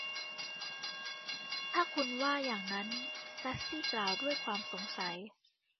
ถ้าคุณว่าอย่างนั้น กัสซี่กล่าวด้วยความสงสัย